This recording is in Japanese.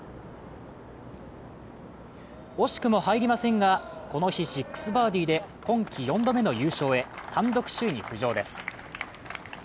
惜しくも届きませんが、この日６バーディーで今季４度目の優勝へ単独首位に浮上です。